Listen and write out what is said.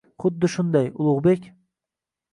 — Xuddi shunday, Ulugʻbek.